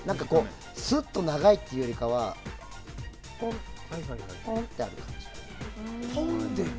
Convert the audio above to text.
すっと長いというよりかはぽんってある感じ。